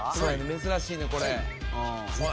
珍しいこれ。